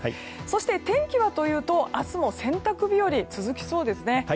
そして、天気はというと明日も洗濯日和が続きそうですね。